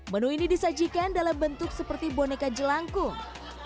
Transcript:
menu ini disajikan dalam bentuk seperti boneka jelangkung